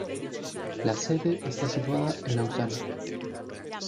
La sede está situada en Lausana.